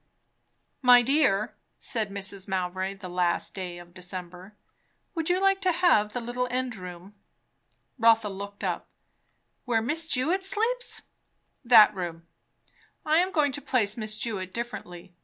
"My dear," said Mrs. Mowbray, the last day of December, "would you like to have the little end room?" Rotha looked up. "Where Miss Jewett sleeps?" "That room. I am going to place Miss Jewett differently.